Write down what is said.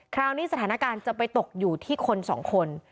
คราวนี้สถานการณ์จะไปตกอยู่ที่คนสองคน